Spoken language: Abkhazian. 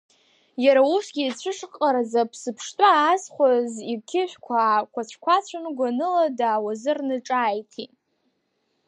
Иара усгьы ицәышҟҟараӡа аԥсы ԥштәы аазхәаз иқьышәқәа аақәац-қәацан, гәаныла даауазырны ҿааиҭит…